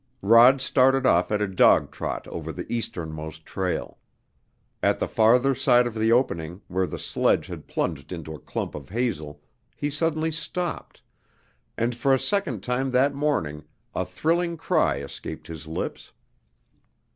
Rod started off at a dog trot over the easternmost trail. At the farther side of the opening, where the sledge had plunged into a clump of hazel, he suddenly stopped, and for a second time that morning a thrilling cry escaped his lips.